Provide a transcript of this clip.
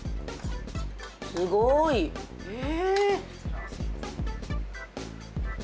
すごい。え！